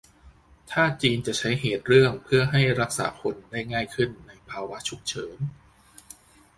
ถ้าจีนจะใช้เหตุเรื่องเพื่อให้รักษาคนได้ง่ายขึ้นในภาวะฉุกเฉิน